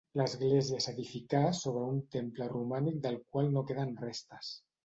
L'església s'edificà sobre un temple romànic del qual no queden restes.